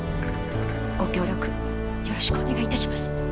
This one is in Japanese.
ご協力よろしくお願いいたします。